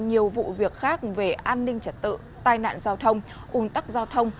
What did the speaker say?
nhiều vụ việc khác về an ninh trật tự tai nạn giao thông un tắc giao thông